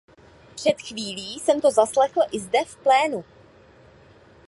Před chvílí jsem to zaslechl i zde v plénu.